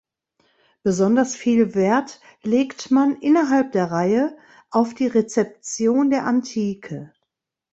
Besonders viel Wert legt man innerhalb der Reihe auf die Rezeption der Antike.